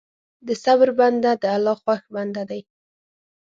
د صبر بنده د الله خوښ بنده دی.